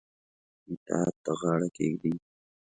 اطاعت ته غاړه کښيږدي.